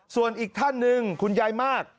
ส่วนอีกท่านหนึ่งคุณยายมาก